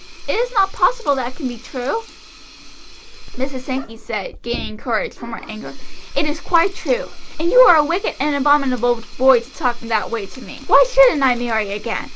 It is not possible it can be true?" "It is true," Mrs. Sankey said, gaining courage from her anger; "it is quite true. And you are a wicked and abominable boy to talk in that way to me. Why shouldn't I marry again?